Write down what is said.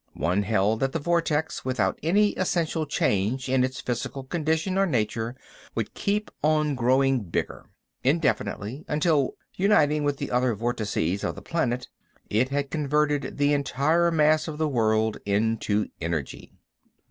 One held that the vortex, without any essential change in its physical condition or nature, would keep on growing bigger. Indefinitely, until, uniting with the other vortices of the planet, it had converted the entire mass of the world into energy.